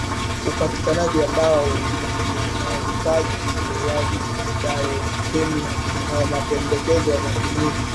upatikanaji wa dawa uimarikaji wa Biokemia na mapendekezo ya matumizi